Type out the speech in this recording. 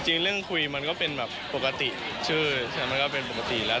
จริงเรื่องคุยมันก็เป็นแบบปกติชื่อมันก็เป็นปกติแล้ว